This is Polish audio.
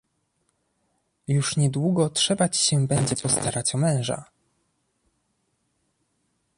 "Już nie długo trzeba ci się będzie postarać o męża!"